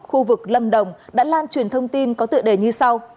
khu vực lâm đồng đã lan truyền thông tin có tựa đề như sau